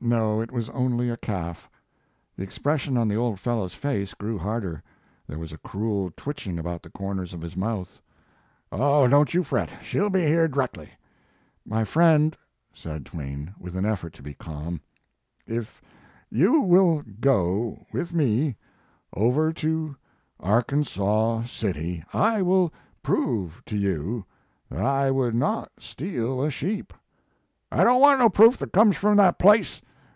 No, it was only a calf. The expression on the old fellow s face grew harder. There was a cruel twitching about the corners of his mouth. "Oh, don t you fret, she ll be here d reckly." "My friend, "said Twain, with an effort to be calm, "if you will go with me over to Arkansaw City I will prove to you that I would not steal a sheep." His Life and Work. 141 "I don t want no proof that comes frum that place.